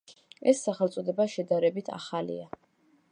ეს სახელწოდება შედარებით ახალია.